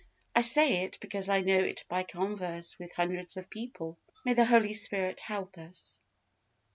I say it, because I know it by converse with hundreds of people. May the Holy Spirit help us!